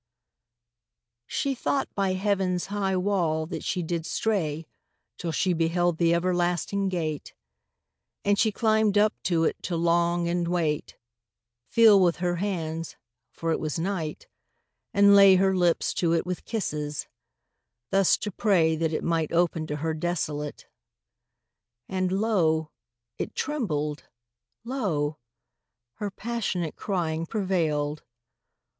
She thought by heaven's high wall that she did stray Till she beheld the everlasting gate: And she climbed up to it to long, and wait, Feel with her hands (for it was night), and lay Her lips to it with kisses; thus to pray That it might open to her desolate. And lo! it trembled, lo! her passionate Crying prevailed.